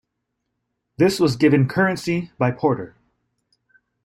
This was given currency by Porter.